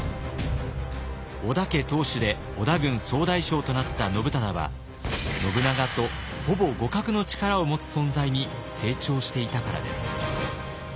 織田家当主で織田軍総大将となった信忠は信長とほぼ互角の力を持つ存在に成長していたからです。